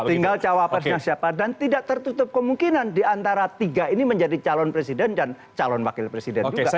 tinggal cawapresnya siapa dan tidak tertutup kemungkinan diantara tiga ini menjadi calon presiden dan calon wakil presiden juga